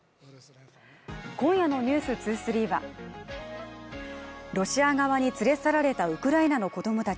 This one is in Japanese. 今夜の「ｎｅｗｓ２３」はロシア側に連れ去られたウクライナの子供たち。